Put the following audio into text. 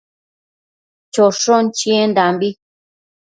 choshon chiendambi